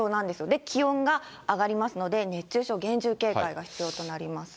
で、気温が上がりますので、熱中症、厳重警戒が必要となります。